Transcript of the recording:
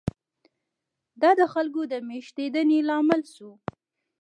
دا د خلکو د مېشتېدنې لامل شو.